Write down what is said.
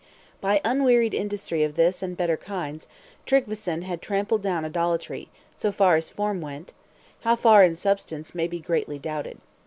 By unwearied industry of this and better kinds, Tryggveson had trampled down idolatry, so far as form went, how far in substance may be greatly doubted.